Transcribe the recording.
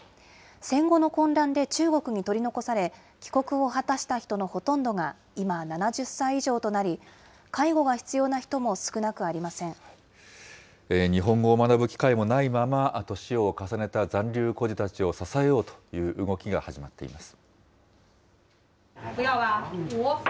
戦後の混乱で中国に取り残され、帰国を果たした人のほとんどが今、７０歳以上となり、介護が必要な日本語を学ぶ機会もないまま年を重ねた残留孤児たちを支えようという動きが始まっています。